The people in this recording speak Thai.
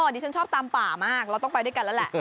ดิฉันชอบตามป่ามากเราต้องไปด้วยกันแล้วแหละ